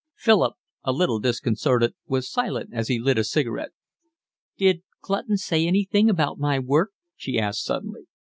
Philip, a little disconcerted, was silent as he lit a cigarette. "Did Clutton say anything about my work?" she asked suddenly.